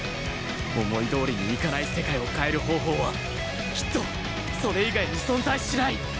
思いどおりにいかない世界を変える方法はきっとそれ以外に存在しない！